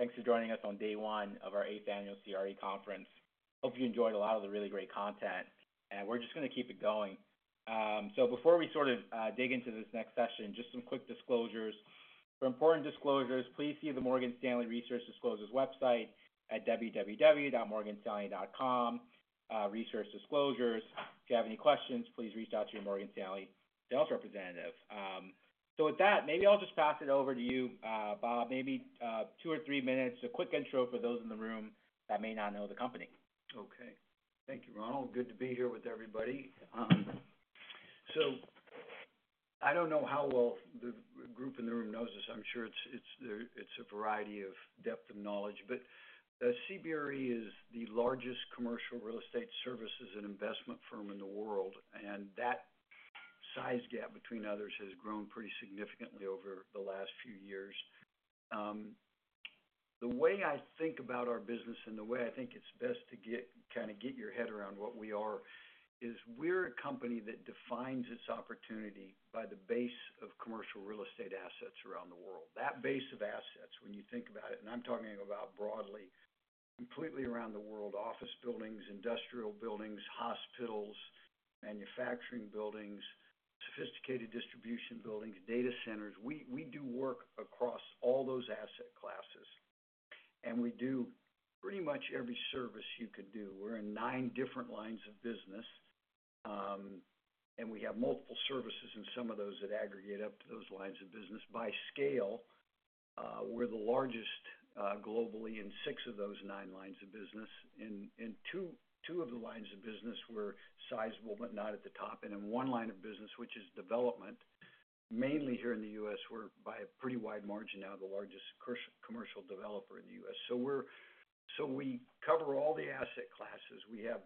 Thanks for joining us on day one of our eighth annual CRE Conference. Hope you enjoyed a lot of the really great content, and we're just going to keep it going. So, before we sort of dig into this next session, just some quick disclosures. For important disclosures, please see the Morgan Stanley Research Disclosures website at www.morganstanley.com, Research Disclosures. If you have any questions, please reach out to your Morgan Stanley sales representative. So, with that, maybe I'll just pass it over to you, Bob, maybe two or three minutes, a quick intro for those in the room that may not know the company. Okay. Thank you, Ronald. Good to be here with everybody. So, I don't know how well the group in the room knows this. I'm sure it's a variety of depth of knowledge. But CBRE is the largest commercial real estate services and investment firm in the world, and that size gap, between others, has grown pretty significantly over the last few years. The way I think about our business and the way I think it's best to kind of get your head around what we are is we're a company that defines its opportunity by the base of commercial real estate assets around the world. That base of assets, when you think about it, and I'm talking about broadly, completely around the world: office buildings, industrial buildings, hospitals, manufacturing buildings, sophisticated distribution buildings, data centers. We do work across all those asset classes, and we do pretty much every service you could do. We're in nine different lines of business, and we have multiple services, and some of those that aggregate up to those lines of business. By scale, we're the largest globally in six of those nine lines of business. And two of the lines of business were sizable but not at the top. And then one line of business, which is development, mainly here in the U.S., we're by a pretty wide margin now the largest commercial developer in the U.S. So, we cover all the asset classes. We have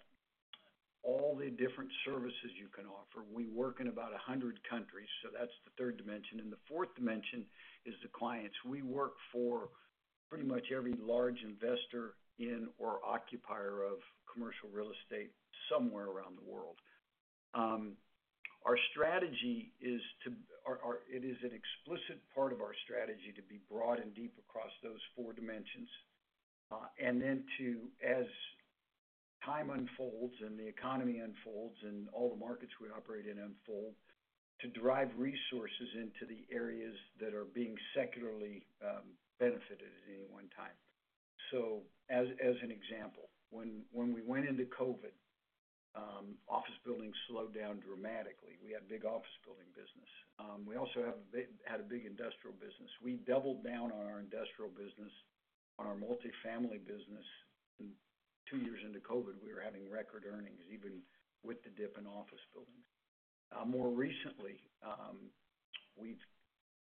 all the different services you can offer. We work in about 100 countries, so that's the third dimension. And the fourth dimension is the clients. We work for pretty much every large investor in or occupier of commercial real estate somewhere around the world. Our strategy is to, it is an explicit part of our strategy to be broad and deep across those four dimensions. And then to, as time unfolds and the economy unfolds and all the markets we operate in unfold, to drive resources into the areas that are being secularly benefited at any one time. So, as an example, when we went into COVID, office buildings slowed down dramatically. We had big office building business. We also had a big industrial business. We doubled down on our industrial business, on our multifamily business. And two years into COVID, we were having record earnings even with the dip in office buildings. More recently, we've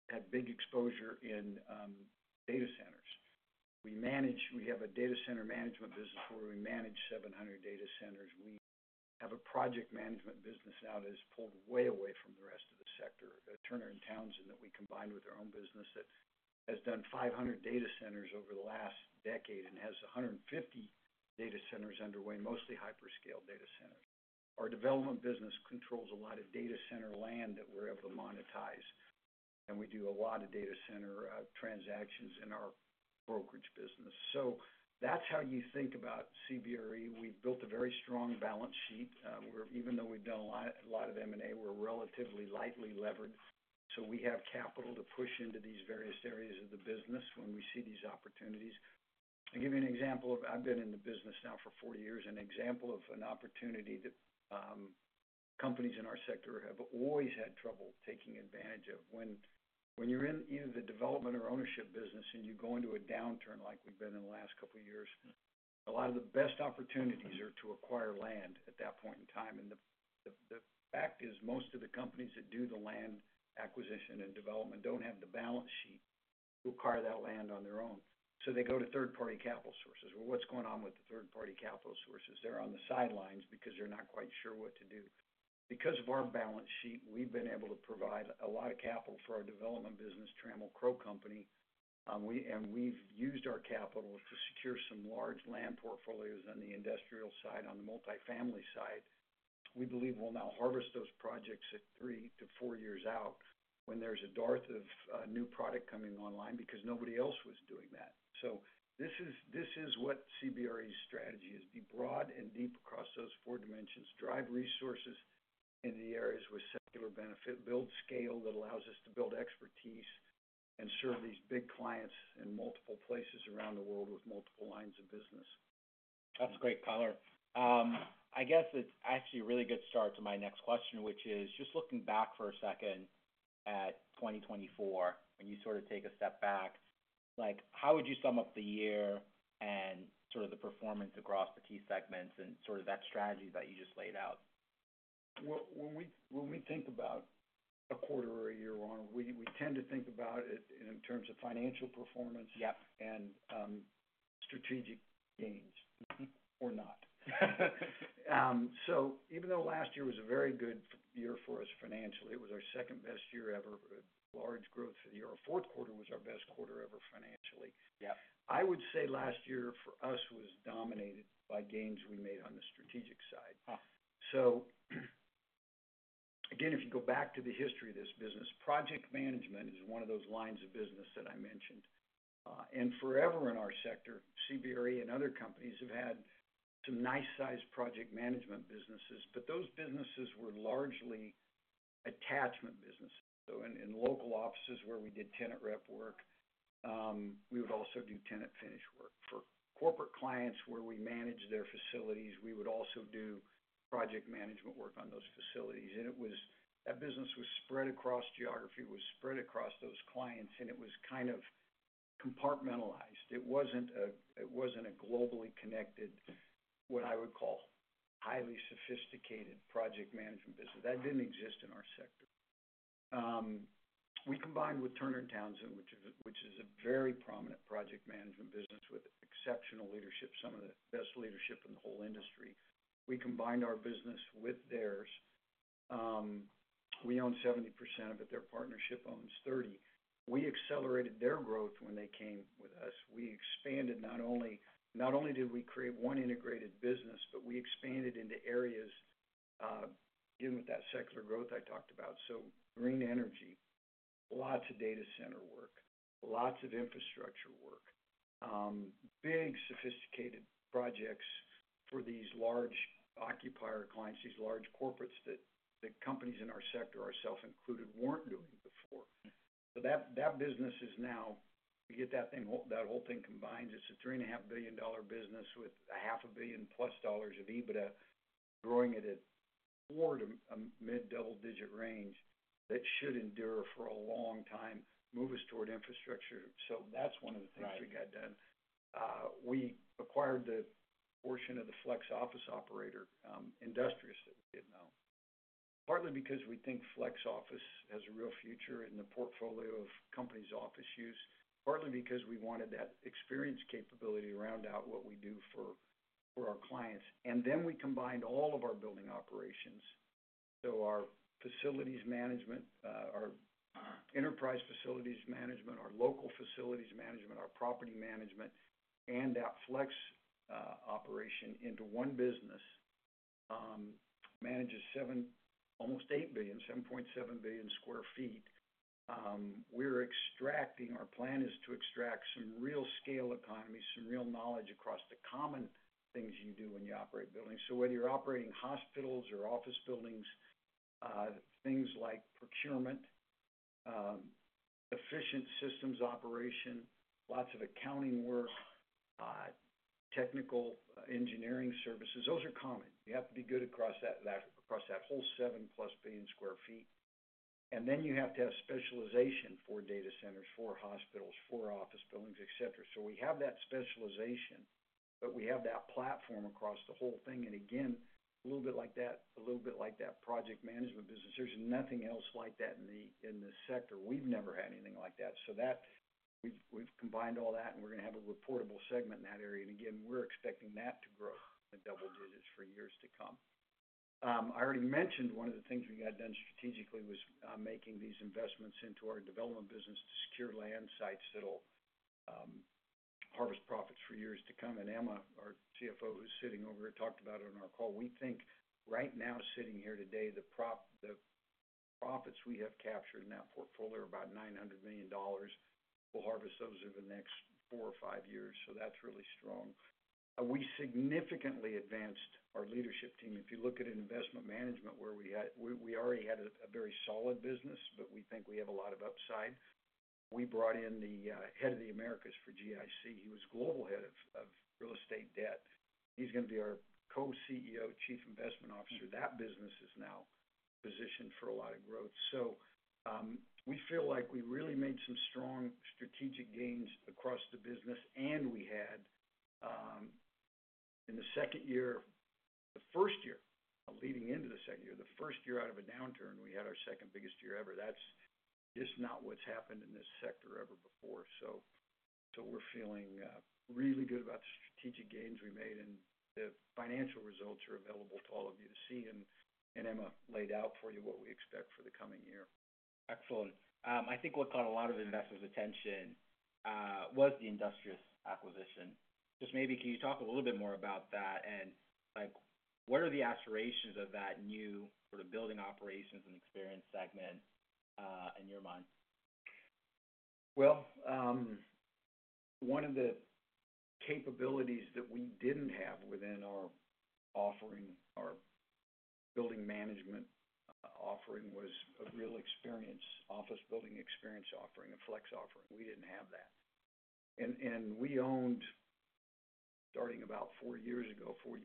had big exposure in data centers. We have a data center management business where we manage 700 data centers. We have a project management business now that has pulled way away from the rest of the sector: Turner & Townsend, that we combined with our own business that has done 500 data centers over the last decade and has 150 data centers underway, mostly hyperscale data centers. Our development business controls a lot of data center land that we're able to monetize, and we do a lot of data center transactions in our brokerage business. So, that's how you think about CBRE. We've built a very strong balance sheet where, even though we've done a lot of M&A, we're relatively lightly levered. So, we have capital to push into these various areas of the business when we see these opportunities. I'll give you an example of, I've been in the business now for 40 years, an example of an opportunity that companies in our sector have always had trouble taking advantage of. When you're in either the development or ownership business and you go into a downturn like we've been in the last couple of years, a lot of the best opportunities are to acquire land at that point in time, and the fact is most of the companies that do the land acquisition and development don't have the balance sheet to acquire that land on their own. So, they go to third-party capital sources, well, what's going on with the third-party capital sources? They're on the sidelines because they're not quite sure what to do. Because of our balance sheet, we've been able to provide a lot of capital for our development business, Trammell Crow Company. We've used our capital to secure some large land portfolios on the industrial side, on the multifamily side. We believe we'll now harvest those projects at three to four years out when there's a dearth of new product coming online because nobody else was doing that. So, this is what CBRE's strategy is: be broad and deep across those four dimensions, drive resources in the areas with secular benefit, build scale that allows us to build expertise, and serve these big clients in multiple places around the world with multiple lines of business. That's a great color. I guess it's actually a really good start to my next question, which is just looking back for a second at 2024, when you sort of take a step back, how would you sum up the year and sort of the performance across the key segments and sort of that strategy that you just laid out? When we think about a quarter or a year on, we tend to think about it in terms of financial performance and strategic gains or not. So, even though last year was a very good year for us financially, it was our second-best year ever, large growth for the year. Our Q4 was our best quarter ever financially. I would say last year for us was dominated by gains we made on the strategic side. So, again, if you go back to the history of this business, project management is one of those lines of business that I mentioned. And forever in our sector, CBRE and other companies have had some nice-sized project management businesses, but those businesses were largely attachment businesses. So, in local offices where we did tenant rep work, we would also do tenant finish work. For corporate clients where we manage their facilities, we would also do project management work on those facilities. That business was spread across geography, was spread across those clients, and it was kind of compartmentalized. It wasn't a globally connected, what I would call, highly sophisticated project management business. That didn't exist in our sector. We combined with Turner & Townsend, which is a very prominent project management business with exceptional leadership, some of the best leadership in the whole industry. We combined our business with theirs. We own 70% of it. Their partnership owns 30%. We accelerated their growth when they came with us. We expanded. Not only did we create one integrated business, but we expanded into areas dealing with that secular growth I talked about. Green energy, lots of data center work, lots of infrastructure work, big sophisticated projects for these large occupier clients, these large corporates that companies in our sector, ourself included, weren't doing before. That business is now. We get that whole thing combined. It's a $3.5 billion business with $500 million-plus of EBITDA, growing it at four to a mid-double-digit range that should endure for a long time, move us toward infrastructure. That's one of the things we got done. We acquired the portion of the flex office operator Industrious that we didn't own, partly because we think flex office has a real future in the portfolio of companies' office use, partly because we wanted that experience capability to round out what we do for our clients. And then we combined all of our building operations, so our facilities management, our enterprise facilities management, our local facilities management, our property management, and that flex operation into one business. Manages almost 8 billion, 7.7 billion sq ft. We're extracting, our plan is to extract some real scale economies, some real knowledge across the common things you do when you operate buildings. So, whether you're operating hospitals or office buildings, things like procurement, efficient systems operation, lots of accounting work, technical engineering services, those are common. You have to be good across that whole 7-plus billion sq ft. And then you have to have specialization for data centers, for hospitals, for office buildings, etc. So, we have that specialization, but we have that platform across the whole thing. And again, a little bit like that, a little bit like that project management business. There's nothing else like that in the sector. We've never had anything like that. So, we've combined all that, and we're going to have a reportable segment in that area. And again, we're expecting that to grow in the double digits for years to come. I already mentioned one of the things we got done strategically was making these investments into our development business to secure land sites that'll harvest profits for years to come. And Emma, our CFO, who's sitting over here, talked about it on our call. We think right now, sitting here today, the profits we have captured in that portfolio are about $900 million. We'll harvest those over the next four or five years. So, that's really strong. We significantly advanced our leadership team. If you look at investment management, where we already had a very solid business, but we think we have a lot of upside. We brought in the head of the Americas for GIC. He was global head of real estate debt. He's going to be our co-CEO, Chief Investment Officer. That business is now positioned for a lot of growth. So,, we feel like we really made some strong strategic gains across the business. And we had, in the second year, the first year leading into the second year, the first year out of a downturn, we had our second biggest year ever. That's just not what's happened in this sector ever before. So, we're feeling really good about the strategic gains we made, and the financial results are available to all of you to see. And Emma laid out for you what we expect for the coming year. Excellent. I think what caught a lot of investors' attention was the Industrious acquisition. Just maybe can you talk a little bit more about that? And what are the aspirations of that new sort of building operations and experience segment in your mind? Well, one of the capabilities that we didn't have within our offering, our building management offering, was a real experience, office building experience offering, a flex offering. We didn't have that. And we owned, starting about four years ago, 40%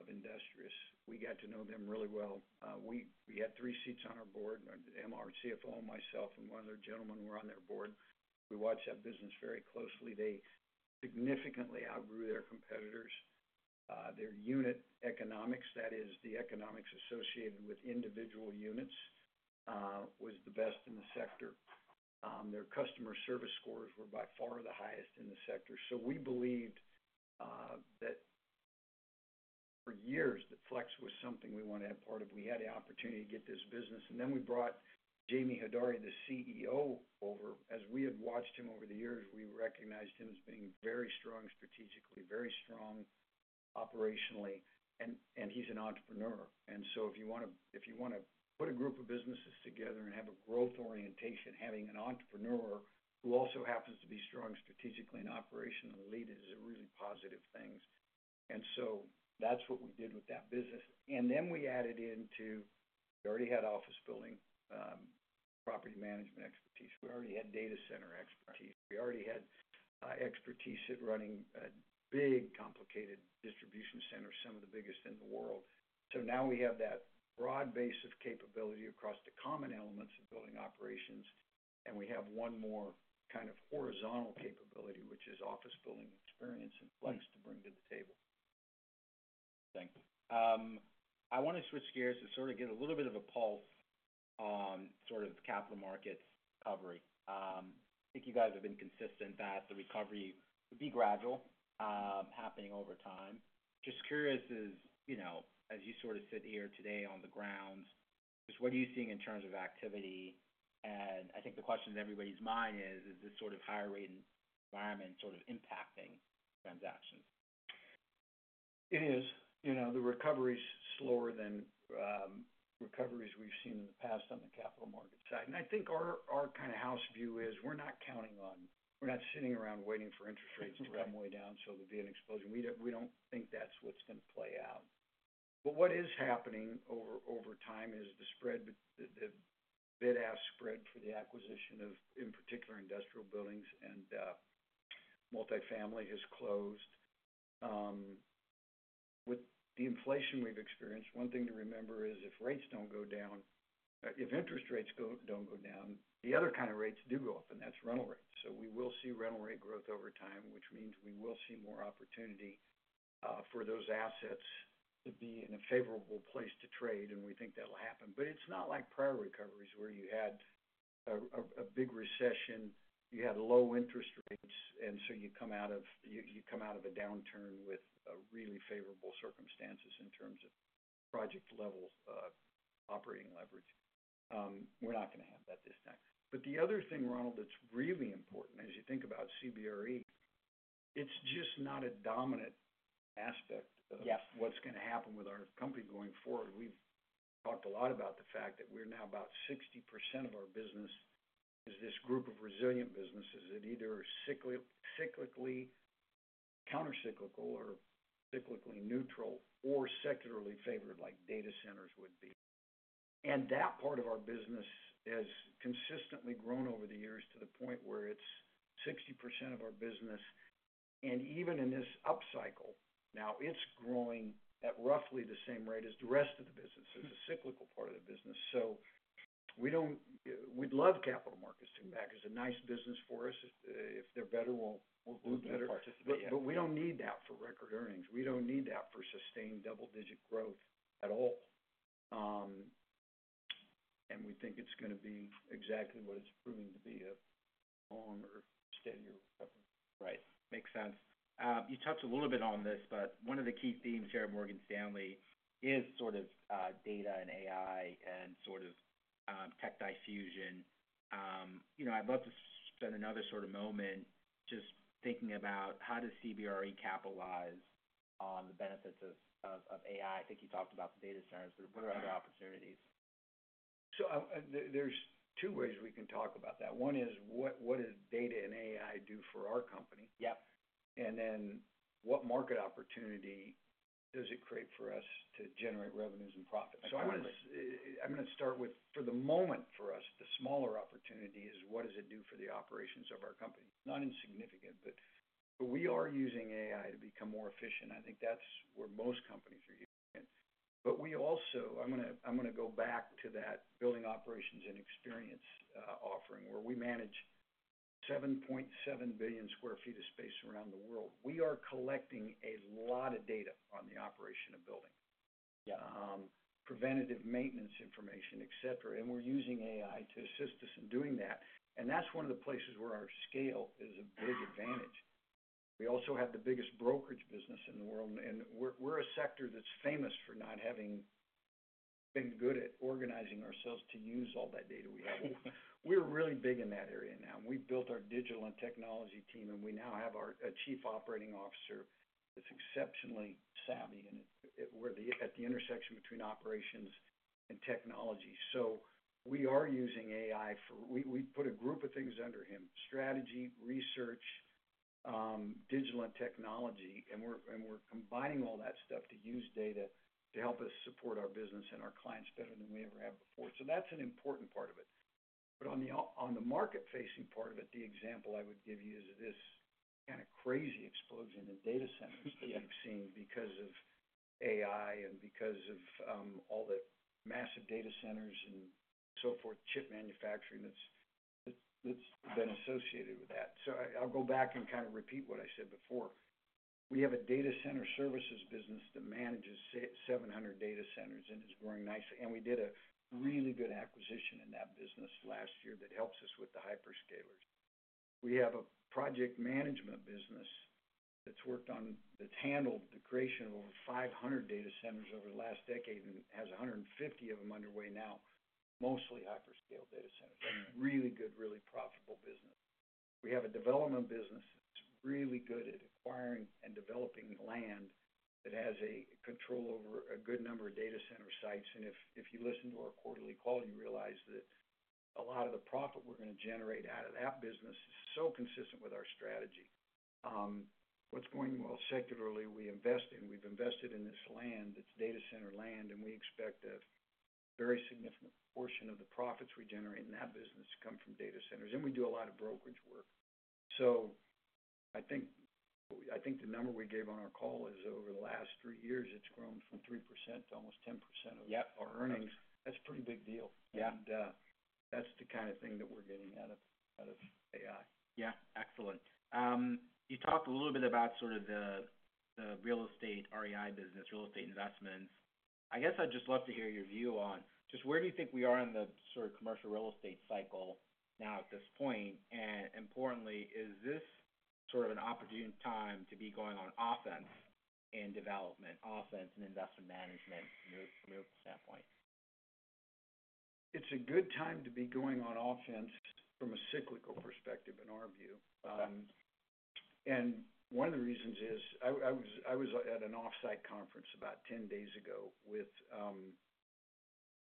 of Industrious. We got to know them really well. We had three seats on our board: Emma, our CFO, myself, and one other gentleman were on their board. We watched that business very closely. They significantly outgrew their competitors. Their unit economics, that is, the economics associated with individual units, was the best in the sector. Their customer service scores were by far the highest in the sector. So,, we believed that for years that flex was something we wanted to be a part of. We had the opportunity to get this business. And then we brought Jamie Hodari, the CEO, over. As we had watched him over the years, we recognized him as being very strong strategically, very strong operationally, and he's an entrepreneur. And so, if you want to put a group of businesses together and have a growth orientation, having an entrepreneur who also happens to be strong strategically and operationally is a really positive thing, and so that's what we did with that business, and then we added into, we already had office building property management expertise. We already had data center expertise. We already had expertise at running a big, complicated distribution center, some of the biggest in the world. So, now we have that broad base of capability across the common elements of building operations, and we have one more kind of horizontal capability, which is office building experience and flex to bring to the table. Thanks. I want to switch gears to sort of get a little bit of a pulse on sort of capital markets recovery. I think you guys have been consistent that the recovery would be gradual, happening over time. Just curious, as you sort of sit here today on the ground, just what are you seeing in terms of activity? And I think the question in everybody's mind is, is this sort of higher rate environment sort of impacting transactions? It is. The recovery is slower than recoveries we've seen in the past on the capital market side. And I think our kind of house view is we're not counting on—we're not sitting around waiting for interest rates to come way down so there'll be an explosion. We don't think that's what's going to play out. But what is happening over time is the bid-ask spread for the acquisition of, in particular, industrial buildings and multifamily has closed. With the inflation we've experienced, one thing to remember is if rates don't go down, if interest rates don't go down, the other kind of rates do go up, and that's rental rates. So, we will see rental rate growth over time, which means we will see more opportunity for those assets to be in a favorable place to trade. And we think that'll happen. But it's not like prior recoveries where you had a big recession, you had low interest rates, and so you come out of a downturn with really favorable circumstances in terms of project-level operating leverage. We're not going to have that this time. But the other thing, Ronald, that's really important as you think about CBRE, it's just not a dominant aspect of what's going to happen with our company going forward. We've talked a lot about the fact that we're now about 60% of our business is this group of resilient businesses that either are cyclically countercyclical or cyclically neutral or sectorally favored, like data centers would be. And that part of our business has consistently grown over the years to the point where it's 60% of our business. And even in this upcycle, now it's growing at roughly the same rate as the rest of the business. It's a cyclical part of the business. So, we'd love capital markets to come back. It's a nice business for us. If they're better, we'll move better. But we don't need that for record earnings. We don't need that for sustained double-digit growth at all. And we think it's going to be exactly what it's proving to be: a longer, steadier recovery. Right. Makes sense. You touched a little bit on this, but one of the key themes here at Morgan Stanley is sort of data and AI and sort of tech diffusion. I'd love to spend another sort of moment just thinking about how does CBRE capitalize on the benefits of AI? I think you talked about the data centers, but what are other opportunities? So, there's two ways we can talk about that. One is, what does data and AI do for our company? And then what market opportunity does it create for us to generate revenues and profits? So, I'm going to start with, for the moment, for us, the smaller opportunity is, what does it do for the operations of our company? Not insignificant, but we are using AI to become more efficient. I think that's where most companies are using it. But I'm going to go back to that building operations and experience offering where we manage 7.7 billion sq ft of space around the world. We are collecting a lot of data on the operation of buildings, preventative maintenance information, etc. And we're using AI to assist us in doing that. And that's one of the places where our scale is a big advantage. We also have the biggest brokerage business in the world, and we're a sector that's famous for not having been good at organizing ourselves to use all that data we have. We're really big in that area now, and we've built our digital and technology team, and we now have a Chief Operating Officer that's exceptionally savvy, and we're at the intersection between operations and technology, so we are using AI for. We put a group of things under him: strategy, research, digital and technology. And we're combining all that stuff to use data to help us support our business and our clients better than we ever have before, so that's an important part of it. But on the market-facing part of it, the example I would give you is this kind of crazy explosion in data centers that we've seen because of AI and because of all the massive data centers and so forth, chip manufacturing that's been associated with that. So, I'll go back and kind of repeat what I said before. We have a data center services business that manages 700 data centers and is growing nicely. And we did a really good acquisition in that business last year that helps us with the hyperscalers. We have a project management business that's handled the creation of over 500 data centers over the last decade and has 150 of them underway now, mostly hyperscale data centers. That's a really good, really profitable business. We have a development business that's really good at acquiring and developing land that has control over a good number of data center sites. And if you listen to our quarterly call, you realize that a lot of the profit we're going to generate out of that business is so consistent with our strategy. What's going well sectorally, we invest in—we've invested in this land. It's data center land. And we expect a very significant portion of the profits we generate in that business to come from data centers. And we do a lot of brokerage work. So, I think the number we gave on our call is, over the last three years, it's grown from 3% to almost 10% of our earnings. That's a pretty big deal. And that's the kind of thing that we're getting out of AI. Yeah. Excellent. You talked a little bit about sort of the real estate REI business, real estate investments. I guess I'd just love to hear your view on just where do you think we are in the sort of commercial real estate cycle now at this point? And importantly, is this sort of an opportune time to be going on offense in development, offense and investment management from your standpoint? It's a good time to be going on offense from a cyclical perspective in our view. One of the reasons is I was at an offsite conference about 10 days ago with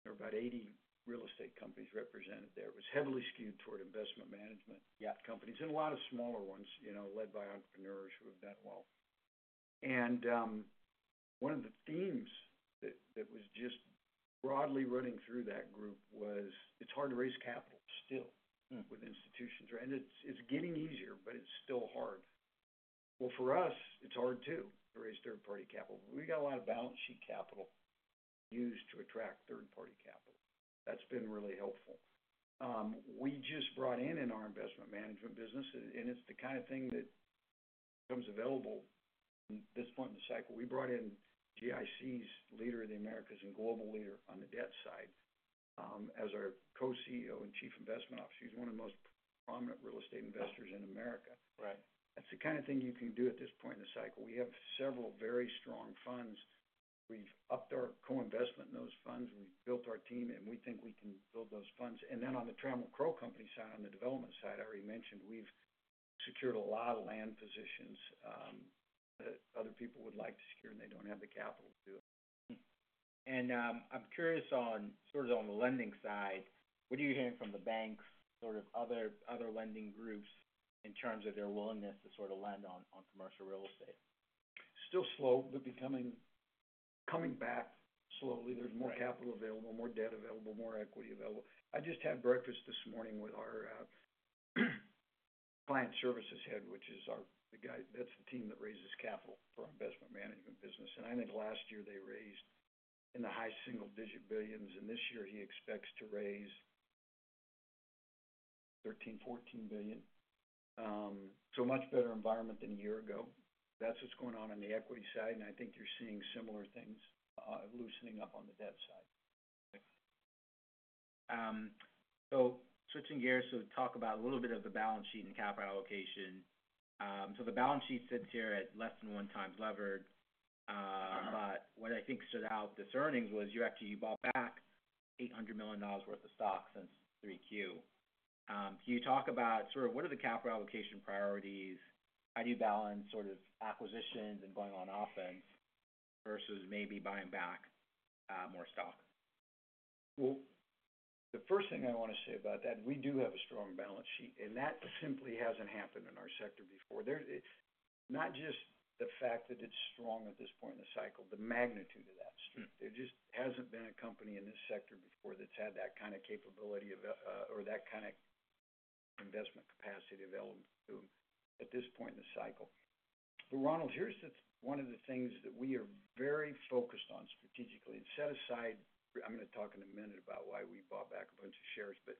about 80 real estate companies represented there. It was heavily skewed toward investment management companies and a lot of smaller ones led by entrepreneurs who have done well. One of the themes that was just broadly running through that group was it's hard to raise capital still with institutions. It's getting easier, but it's still hard. For us, it's hard too to raise third-party capital. We've got a lot of balance sheet capital used to attract third-party capital. That's been really helpful. We just brought in our investment management business, and it's the kind of thing that becomes available at this point in the cycle. We brought in GIC's leader of the Americas and global leader on the debt side as our co-CEO and chief investment officer. He's one of the most prominent real estate investors in America. That's the kind of thing you can do at this point in the cycle. We have several very strong funds. We've upped our co-investment in those funds. We've built our team, and we think we can build those funds. And then on the Trammell Crow Company side, on the development side, I already mentioned we've secured a lot of land positions that other people would like to secure, and they don't have the capital to do it. I'm curious on sort of the lending side, what are you hearing from the banks, sort of other lending groups in terms of their willingness to sort of lend on commercial real estate? Still slow, but coming back slowly. There's more capital available, more debt available, more equity available. I just had breakfast this morning with our client services head, which is the guy that's the team that raises capital for our investment management business, and I think last year they raised in the high single-digit billions, and this year he expects to raise $13-14 billion, so a much better environment than a year ago. That's what's going on on the equity side, and I think you're seeing similar things loosening up on the debt side. Switching gears, talk about a little bit of the balance sheet and capital allocation. The balance sheet sits here at less than one times levered. But what I think stood out this earnings was you actually bought back $800 million worth of stock since 3Q. Can you talk about sort of what are the capital allocation priorities? How do you balance sort of acquisitions and going on offense versus maybe buying back more stock? The first thing I want to say about that, we do have a strong balance sheet and that simply hasn't happened in our sector before. Not just the fact that it's strong at this point in the cycle, the magnitude of that. There just hasn't been a company in this sector before that's had that kind of capability or that kind of investment capacity available to them at this point in the cycle but Ronald, here's one of the things that we are very focused on strategically and set aside, I'm going to talk in a minute about why we bought back a bunch of shares but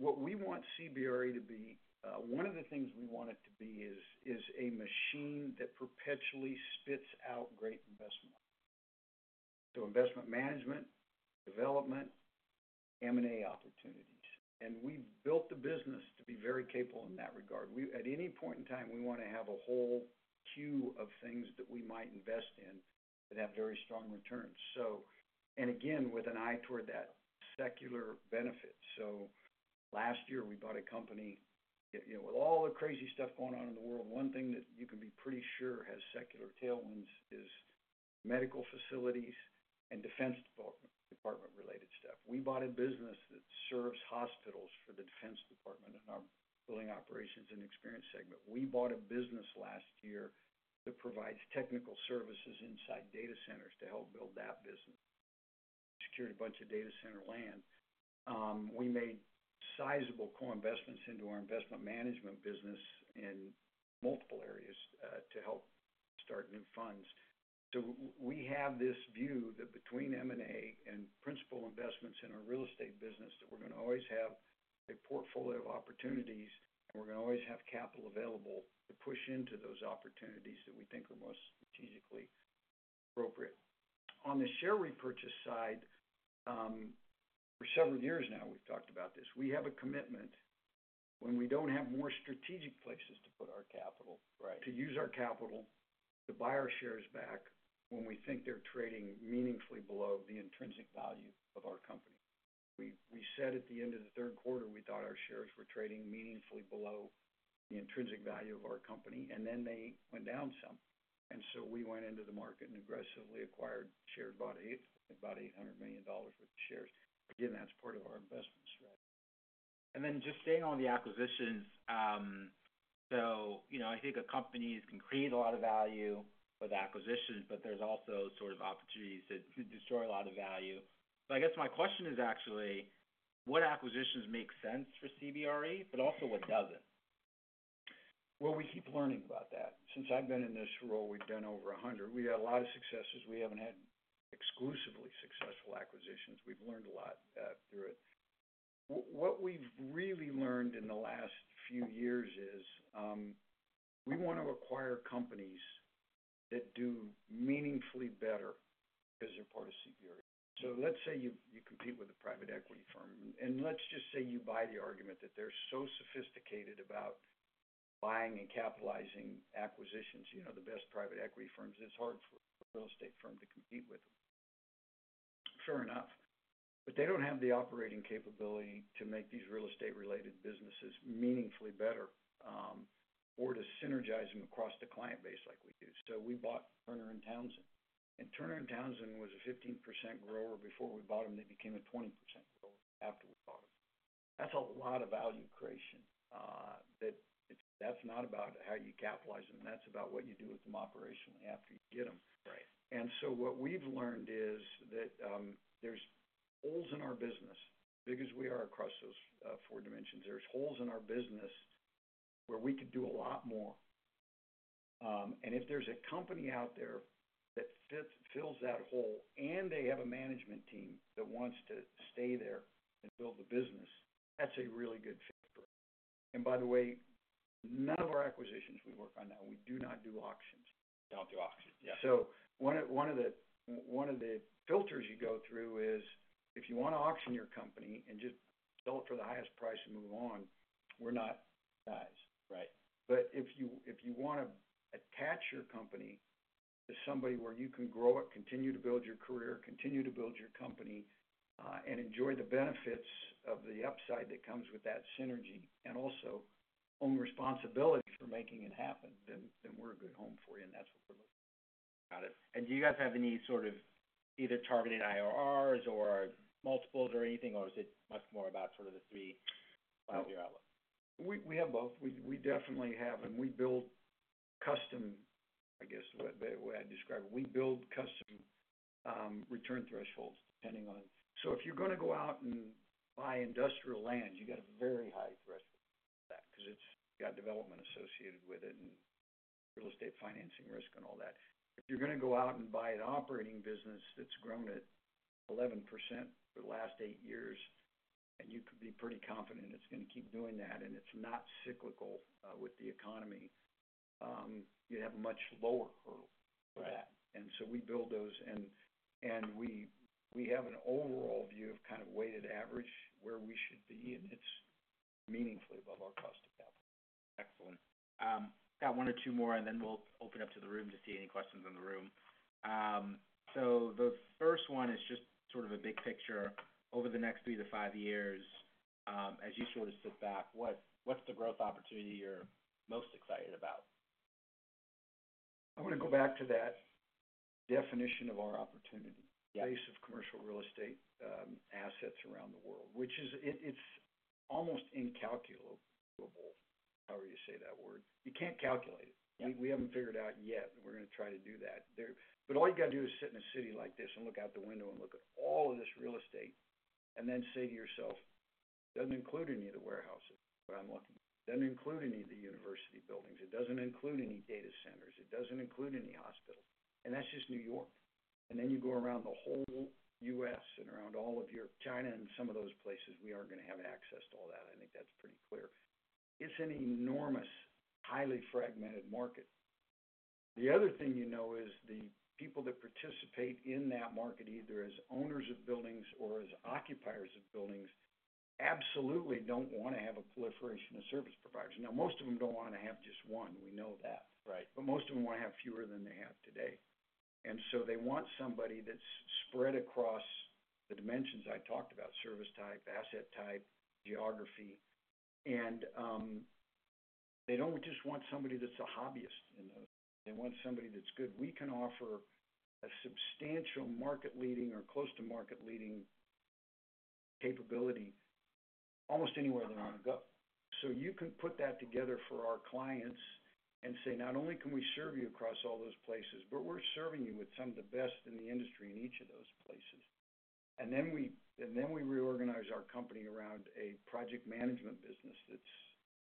what we want CBRE to be, one of the things we want it to be is a machine that perpetually spits out great investment so investment management, development, M&A opportunities and we've built the business to be very capable in that regard. At any point in time, we want to have a whole queue of things that we might invest in that have very strong returns, and again, with an eye toward that secular benefit, so last year we bought a company with all the crazy stuff going on in the world. One thing that you can be pretty sure has secular tailwinds is medical facilities and Defense Department-related stuff. We bought a business that serves hospitals for the Defense Department in our building operations and experience segment. We bought a business last year that provides technical services inside data centers to help build that business. We secured a bunch of data center land. We made sizable co-investments into our investment management business in multiple areas to help start new funds. So, we have this view that between M&A and principal investments in our real estate business, that we're going to always have a portfolio of opportunities, and we're going to always have capital available to push into those opportunities that we think are most strategically appropriate. On the share repurchase side, for several years now, we've talked about this. We have a commitment when we don't have more strategic places to put our capital, to use our capital to buy our shares back when we think they're trading meaningfully below the intrinsic value of our company. We said at the end of the Q3, we thought our shares were trading meaningfully below the intrinsic value of our company. And then they went down some. And so, we went into the market and aggressively acquired shares, bought about $800 million worth of shares. Again, that's part of our investment strategy. And then just staying on the acquisitions, so I think a company can create a lot of value with acquisitions, but there's also sort of opportunities to destroy a lot of value. So, I guess my question is actually, what acquisitions make sense for CBRE, but also what doesn't? We keep learning about that. Since I've been in this role, we've done over 100. We had a lot of successes. We haven't had exclusively successful acquisitions. We've learned a lot through it. What we've really learned in the last few years is we want to acquire companies that do meaningfully better because they're part of CBRE. Let's say you compete with a private equity firm. Let's just say you buy the argument that they're so sophisticated about buying and capitalizing acquisitions, the best private equity firms, it's hard for a real estate firm to compete with them. Fair enough. They don't have the operating capability to make these real estate-related businesses meaningfully better or to synergize them across the client base like we do. We bought Turner & Townsend. Turner & Townsend was a 15% grower before we bought them. They became a 20% grower after we bought them. That's a lot of value creation. That's not about how you capitalize them. That's about what you do with them operationally after you get them, and so what we've learned is that there's holes in our business, as big as we are across those four dimensions. There's holes in our business where we could do a lot more, and if there's a company out there that fills that hole and they have a management team that wants to stay there and build the business, that's a really good fit for us, and by the way, none of our acquisitions we work on now, we do not do auctions. Don't do auctions. Yeah. So, one of the filters you go through is if you want to auction your company and just sell it for the highest price and move on, we're not. Size. But if you want to attach your company to somebody where you can grow it, continue to build your career, continue to build your company, and enjoy the benefits of the upside that comes with that synergy, and also own responsibility for making it happen, then we're a good home for you. And that's what we're looking for. Got it. And do you guys have any sort of either targeted IRRs or multiples or anything, or is it much more about sort of the CRE outlook? We have both. We definitely have, and we build custom, I guess, the way I describe it. We build custom return thresholds depending on, so if you're going to go out and buy industrial land, you got a very high threshold for that because it's got development associated with it and real estate financing risk and all that. If you're going to go out and buy an operating business that's grown at 11% for the last eight years, and you could be pretty confident it's going to keep doing that and it's not cyclical with the economy, you have a much lower hurdle for that, and so we build those. And we have an overall view of kind of weighted average where we should be, and it's meaningfully above our cost of capital. Excellent. Got one or two more, and then we'll open up to the room to see any questions in the room. So, the first one is just sort of a big picture. Over the next three to five years, as you sort of sit back, what's the growth opportunity you're most excited about? I want to go back to that definition of our opportunity. Base of commercial real estate assets around the world, which is it's almost incalculable. How would you say that word? You can't calculate it. We haven't figured out yet. We're going to try to do that. But all you got to do is sit in a city like this and look out the window and look at all of this real estate and then say to yourself, "Doesn't include any of the warehouses, but I'm lucky. Doesn't include any of the university buildings. It doesn't include any data centers. It doesn't include any hospitals." And that's just New York. And then you go around the whole U.S. and around all of your China and some of those places, we aren't going to have access to all that. I think that's pretty clear. It's an enormous, highly fragmented market. The other thing you know is the people that participate in that market, either as owners of buildings or as occupiers of buildings, absolutely don't want to have a proliferation of service providers. Now, most of them don't want to have just one. We know that. But most of them want to have fewer than they have today. And so, they want somebody that's spread across the dimensions I talked about service type, asset type, geography. And they don't just want somebody that's a hobbyist in those. They want somebody that's good. We can offer a substantial market-leading or close to market-leading capability almost anywhere they want to go. So, you can put that together for our clients and say, "Not only can we serve you across all those places, but we're serving you with some of the best in the industry in each of those places." And then we reorganize our company around a project management business that's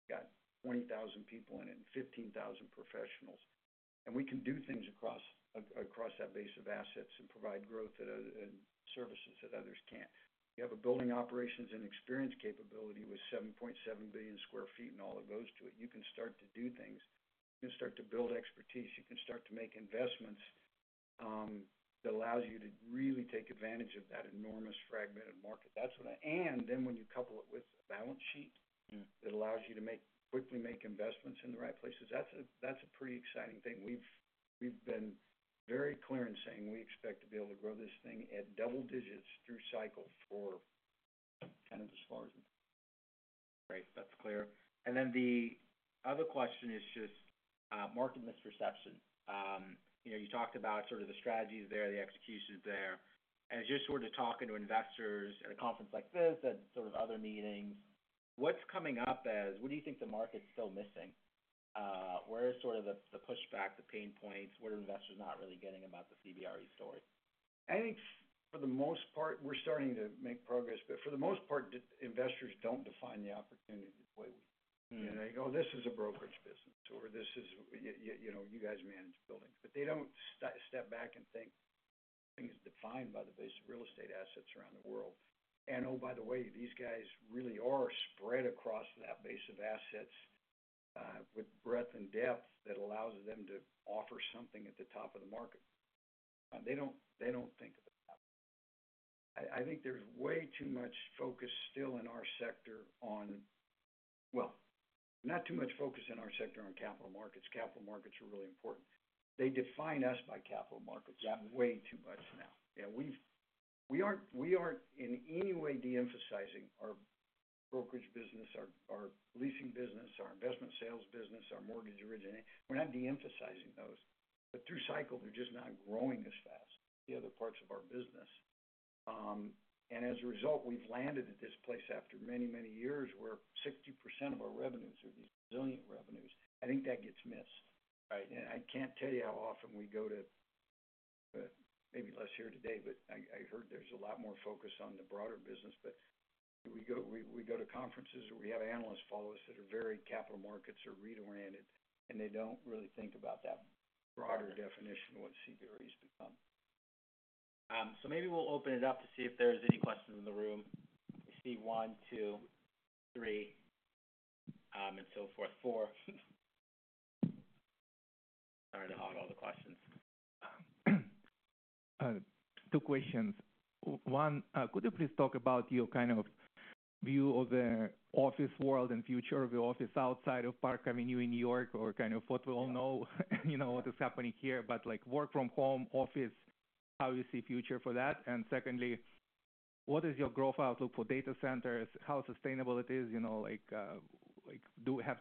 got 20,000 people in it and 15,000 professionals. And we can do things across that base of assets and provide growth and services that others can't. You have a building operations and experience capability with 7.7 billion sq ft and all that goes to it. You can start to do things. You can start to build expertise. You can start to make investments that allows you to really take advantage of that enormous fragmented market. And then when you couple it with a balance sheet that allows you to quickly make investments in the right places, that's a pretty exciting thing. We've been very clear in saying we expect to be able to grow this thing at double digits through cycle for kind of as far as we go. Great. That's clear. And then the other question is just market misperception. You talked about sort of the strategies there, the executions there. As you're sort of talking to investors at a conference like this and sort of other meetings, what's coming up as what do you think the market's still missing? Where is sort of the pushback, the pain points? What are investors not really getting about the CBRE story? I think for the most part, we're starting to make progress. But for the most part, investors don't define the opportunity the way we do. They go, "Oh, this is a brokerage business," or, "You guys manage buildings." But they don't step back and think things defined by the base of real estate assets around the world. And oh, by the way, these guys really are spread across that base of assets with breadth and depth that allows them to offer something at the top of the market. They don't think of it that way. I think there's way too much focus still in our sector on, well, not too much focus in our sector on capital markets. Capital markets are really important. They define us by capital markets way too much now. Yeah. We aren't in any way de-emphasizing our brokerage business, our leasing business, our investment sales business, our mortgage origination. We're not de-emphasizing those. But through cycle, they're just not growing as fast. The other parts of our business. And as a result, we've landed at this place after many, many years where 60% of our revenues are these resilient revenues. I think that gets missed. And I can't tell you how often we go to maybe less so here today, but I heard there's a lot more focus on the broader business. But we go to conferences, or we have analysts follow us that are very capital markets or REIT-oriented, and they don't really think about that broader definition of what CBRE has become. So, maybe we'll open it up to see if there's any questions in the room. I see one, two, three, and so forth. Four. Sorry to hog all the questions. Two questions. One, could you please talk about your kind of view of the office world and future of the office outside of Park Avenue in New York or kind of what we all know, what is happening here, but work from home, office, how you see future for that? And secondly, what is your growth outlook for data centers, how sustainable it is? Do we have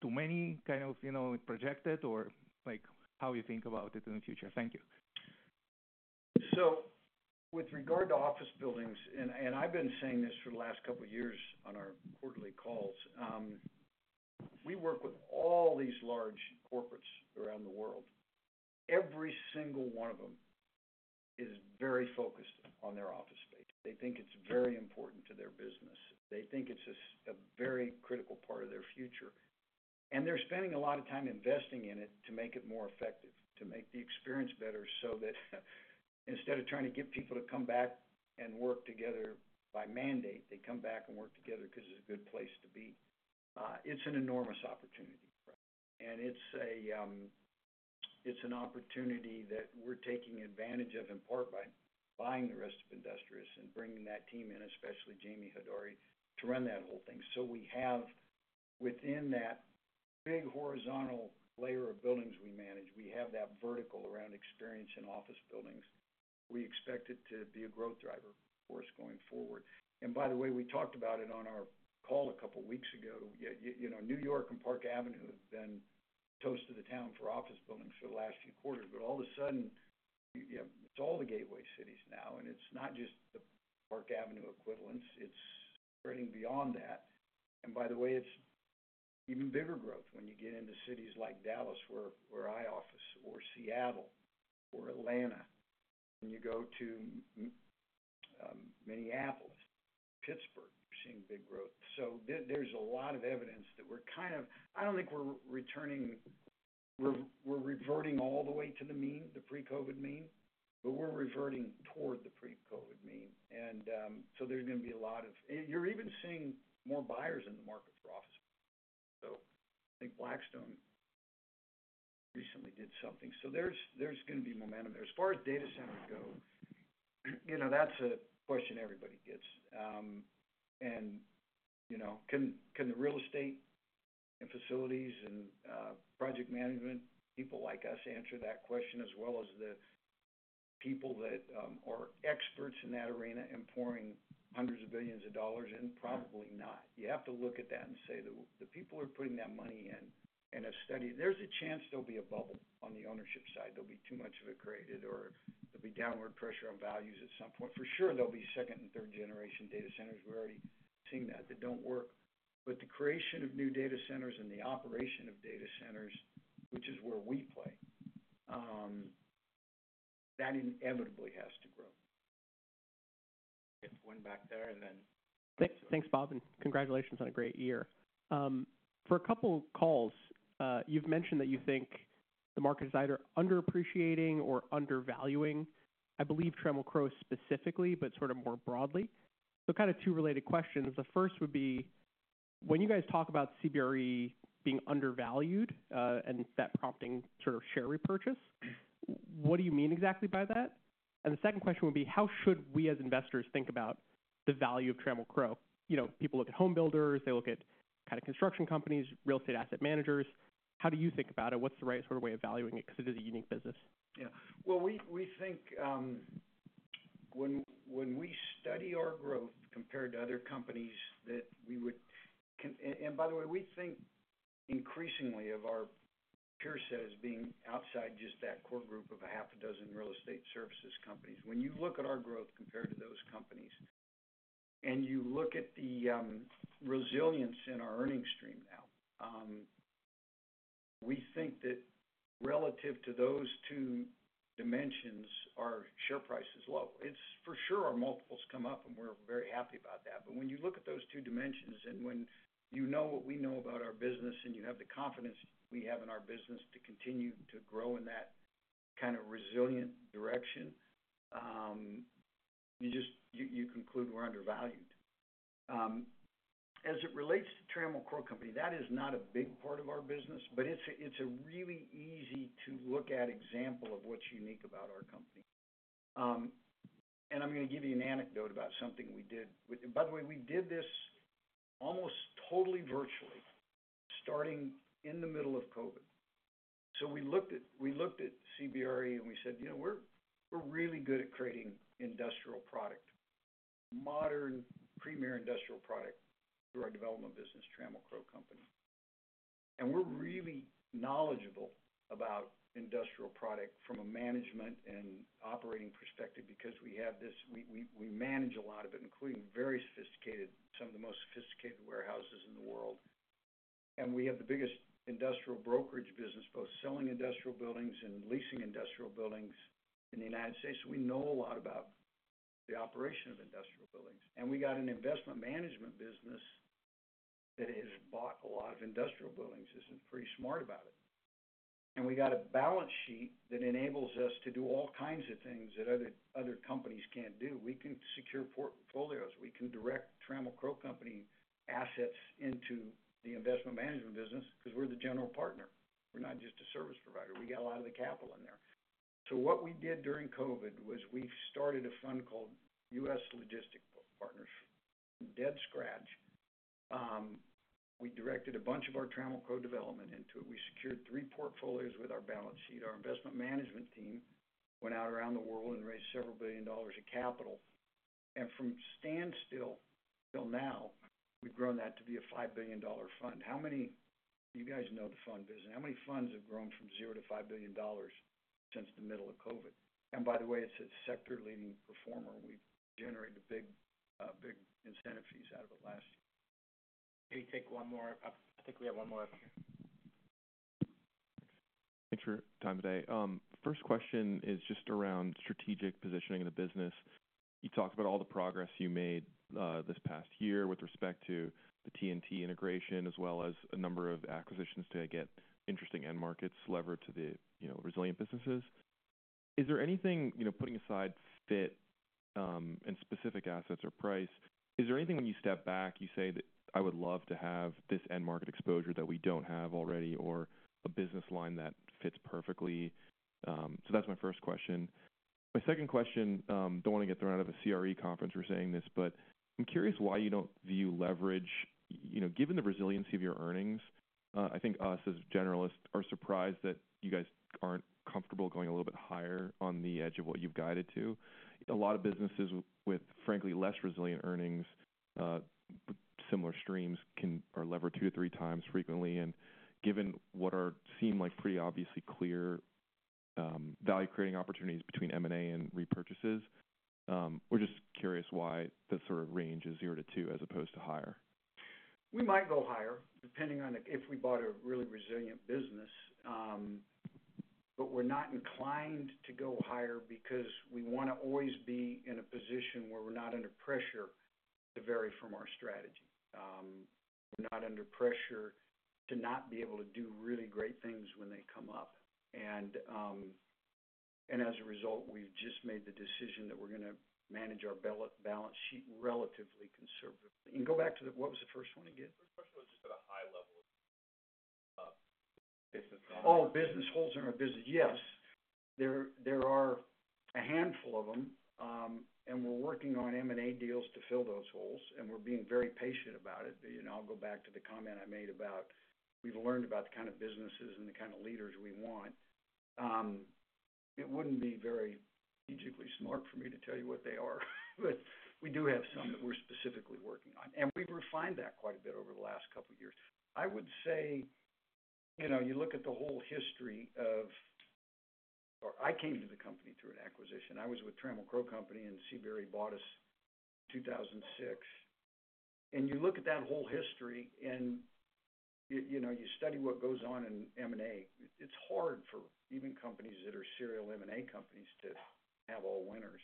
too many kind of projected, or how do you think about it in the future? Thank you. With regard to office buildings, and I've been saying this for the last couple of years on our quarterly calls, we work with all these large corporates around the world. Every single one of them is very focused on their office space. They think it's very important to their business. They think it's a very critical part of their future. And they're spending a lot of time investing in it to make it more effective, to make the experience better so that instead of trying to get people to come back and work together by mandate, they come back and work together because it's a good place to be. It's an enormous opportunity. And it's an opportunity that we're taking advantage of in part by buying the rest of Industrious and bringing that team in, especially Jamie Hodari, to run that whole thing. So, within that big horizontal layer of buildings we manage, we have that vertical around experience in office buildings. We expect it to be a growth driver, of course, going forward. And by the way, we talked about it on our call a couple of weeks ago. New York and Park Avenue have been the toast of the town for office buildings for the last few quarters. But all of a sudden, it's all the gateway cities now. And it's not just the Park Avenue equivalent. It's spreading beyond that. And by the way, it's even bigger growth when you get into cities like Dallas where I office or Seattle or Atlanta. When you go to Minneapolis, Pittsburgh, you're seeing big growth. So, there's a lot of evidence that we're kind of. I don't think we're returning. We're reverting all the way to the mean, the pre-COVID mean, but we're reverting toward the pre-COVID mean. And so, there's going to be a lot of, you're even seeing more buyers in the market for office. So, I think Blackstone recently did something. So, there's going to be momentum. As far as data centers go, that's a question everybody gets. And can the real estate and facilities and project management people like us answer that question as well as the people that are experts in that arena and pouring hundreds of billions of dollars in? Probably not. You have to look at that and say, "The people are putting that money in, and there's a chance there'll be a bubble on the ownership side. There'll be too much supply created, or there'll be downward pressure on values at some point." For sure, there'll be second- and third-generation data centers. We're already seeing that. They don't work. But the creation of new data centers and the operation of data centers, which is where we play, that inevitably has to grow. Okay. One back there and then let's do it. Thanks, Bob. And congratulations on a great year. For a couple of calls, you've mentioned that you think the market is either underappreciating or undervaluing, I believe Trammell Crow specifically, but sort of more broadly. So, kind of two related questions. The first would be, when you guys talk about CBRE being undervalued and that prompting sort of share repurchase, what do you mean exactly by that? And the second question would be, how should we as investors think about the value of Trammell Crow? People look at home builders, they look at kind of construction companies, real estate asset managers. How do you think about it? What's the right sort of way of valuing it? Because it is a unique business. Yeah. Well, we think when we study our growth compared to other companies that we would, and by the way, we think increasingly of our peer set as being outside just that core group of a half a dozen real estate services companies. When you look at our growth compared to those companies and you look at the resilience in our earnings stream now, we think that relative to those two dimensions, our share price is low. For sure, our multiples come up, and we're very happy about that. But when you look at those two dimensions and when you know what we know about our business and you have the confidence we have in our business to continue to grow in that kind of resilient direction, you conclude we're undervalued. As it relates to Trammell Crow Company, that is not a big part of our business, but it's a really easy-to-look-at example of what's unique about our company. And I'm going to give you an anecdote about something we did. By the way, we did this almost totally virtually starting in the middle of COVID. So, we looked at CBRE and we said, "We're really good at creating industrial product, modern, premier industrial product through our development business, Trammell Crow Company." And we're really knowledgeable about industrial product from a management and operating perspective because we manage a lot of it, including very sophisticated, some of the most sophisticated warehouses in the world. And we have the biggest industrial brokerage business, both selling industrial buildings and leasing industrial buildings in the United States. So, we know a lot about the operation of industrial buildings. We got an investment management business that has bought a lot of industrial buildings. It's pretty smart about it. We got a balance sheet that enables us to do all kinds of things that other companies can't do. We can secure portfolios. We can direct Trammell Crow Company assets into the investment management business because we're the general partner. We're not just a service provider. We got a lot of the capital in there. What we did during COVID was we started a fund called U.S. Logistics Partners. From scratch, we directed a bunch of our Trammell Crow development into it. We secured three portfolios with our balance sheet. Our investment management team went out around the world and raised several billion dollars of capital. From standstill till now, we've grown that to be a $5 billion fund. How many of you guys know the fund business? How many funds have grown from zero to $5 billion since the middle of COVID? And by the way, it's a sector-leading performer. We've generated big incentive fees out of it last year. Can we take one more? I think we have one more up here. Thanks for your time today. First question is just around strategic positioning of the business. You talked about all the progress you made this past year with respect to the T&T integration as well as a number of acquisitions to get interesting end markets levered to the resilient businesses. Is there anything, putting aside fit and specific assets or price, is there anything when you step back, you say, "I would love to have this end market exposure that we don't have already," or a business line that fits perfectly? So, that's my first question. My second question, don't want to get thrown out of a CRE conference for saying this, but I'm curious why you don't view leverage. Given the resiliency of your earnings, I think us as generalists are surprised that you guys aren't comfortable going a little bit higher on the edge of what you've guided to. A lot of businesses with, frankly, less resilient earnings, similar streams can leverage two to three times frequently. And given what seem like pretty obviously clear value-creating opportunities between M&A and repurchases, we're just curious why the sort of range is zero to two as opposed to higher. We might go higher depending on if we bought a really resilient business. But we're not inclined to go higher because we want to always be in a position where we're not under pressure to vary from our strategy. We're not under pressure to not be able to do really great things when they come up. And as a result, we've just made the decision that we're going to manage our balance sheet relatively conservatively. And go back to what was the first one again? The first question was just at a high level of business. Oh, business holes in our business. Yes. There are a handful of them, and we're working on M&A deals to fill those holes, and we're being very patient about it. I'll go back to the comment I made about we've learned about the kind of businesses and the kind of leaders we want. It wouldn't be very strategically smart for me to tell you what they are, but we do have some that we're specifically working on, and we've refined that quite a bit over the last couple of years. I would say you look at the whole history of I came to the company through an acquisition. I was with Trammell Crow Company, and CBRE bought us in 2006, and you look at that whole history, and you study what goes on in M&A. It's hard for even companies that are serial M&A companies to have all winners.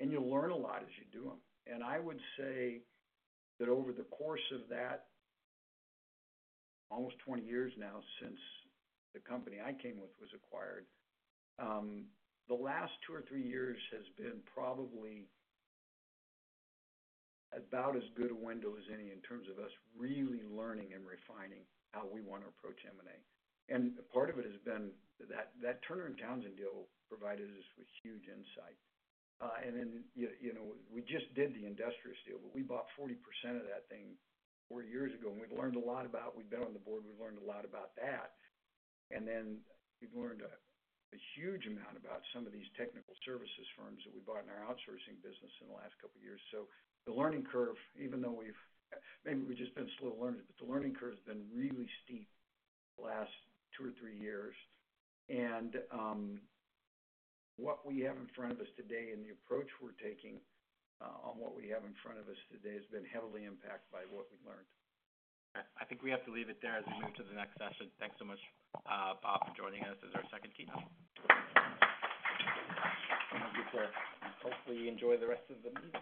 And you learn a lot as you do them. And I would say that over the course of that, almost 20 years now since the company I came with was acquired, the last two or three years has been probably about as good a window as any in terms of us really learning and refining how we want to approach M&A. And part of it has been that Turner & Townsend deal provided us with huge insight. And then we just did the Industrious deal, but we bought 40% of that thing four years ago, and we've learned a lot about we've been on the board. We've learned a lot about that. And then we've learned a huge amount about some of these technical services firms that we bought in our outsourcing business in the last couple of years. So, the learning curve, even though we've maybe just been slow learners, but the learning curve has been really steep the last two or three years. And what we have in front of us today and the approach we're taking on what we have in front of us today has been heavily impacted by what we've learned. I think we have to leave it there as we move to the next session. Thanks so much, Bob, for joining us as our second keynote. Hopefully, you enjoy the rest of the meeting.